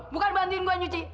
bukan bantuin gua nyuci